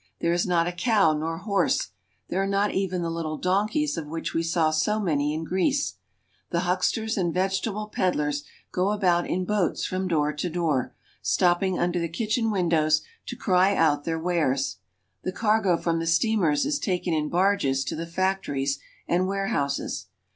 There is not a cow nor horse, there are not even the little donkeys of which we saw so many in Greece. The hucksters and vegetable peddlers go about in boats from door to door, stopping under the kitchen windows to cry out their wares. The cargo from the steamers is taken in barges to the factories and warehouses.